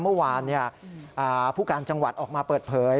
เมื่อวานผู้การจังหวัดออกมาเปิดเผย